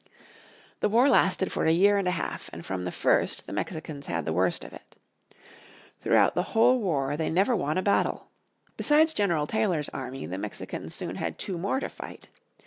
The war lasted for a year and a half, and from the first the Mexicans had the worst of it. Throughout the whole war they never won a battle. Besides General Taylor's army the Mexicans soon had two more to fight.